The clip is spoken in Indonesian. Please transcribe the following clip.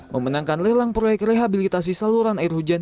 memenangkan lelang proyek rehabilitasi saluran air hujan